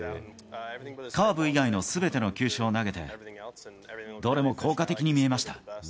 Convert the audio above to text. カーブ以外のすべての球種を投げて、どれも効果的に見えました。